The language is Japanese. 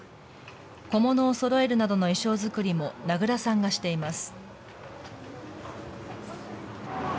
小物をそろえるなどの衣装作りも名倉さんがしています。